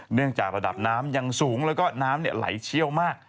เนื่องจากระดับน้ำยังสูงแล้วก็น้ำไหลเชี่ยวมาก